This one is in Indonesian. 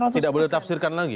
tidak boleh ditafsirkan lagi